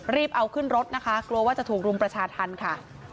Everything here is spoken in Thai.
รีบเอาขึ้นรถนะคะกลัวว่าจะถูกรุมประชาธรรมค่ะ